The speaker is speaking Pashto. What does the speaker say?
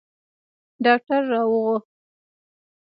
ډاکتر را وغوښت.